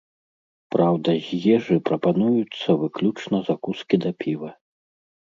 Праўда, з ежы прапануюцца выключна закускі да піва.